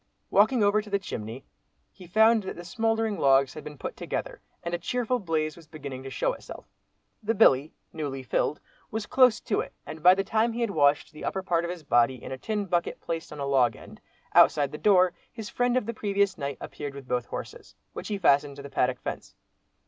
Walking over to the chimney, he found that the smouldering logs had been put together, and a cheerful blaze was beginning to show itself. The billy, newly filled, was close to it, and by the time he had washed the upper part of his body in a tin bucket placed on a log end, outside the door, his friend of the previous night appeared with both horses, which he fastened to the paddock fence.